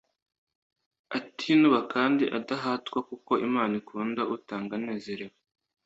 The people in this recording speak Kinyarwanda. atinuba kandi adahatwa, kuko Imana ikunda utanga anezerewe.”